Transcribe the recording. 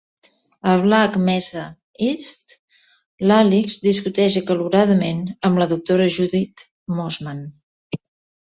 A "Black mesa east", l'Alyx discuteix acaloradament amb la doctora Judith Mossman.